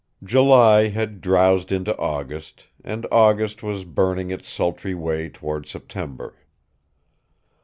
July had drowsed into August, and August was burning its sultry way toward September.